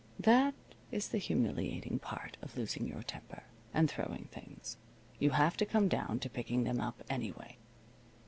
That is the humiliating part of losing your temper and throwing things. You have to come down to picking them up, anyway.